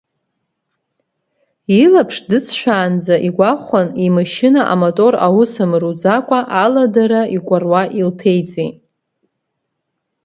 Илаԥҵш дыҵшәаанӡа игәахәын, имашьына, амотор аус амыруӡакәа, аладара икәаруа илҭеиҵеит.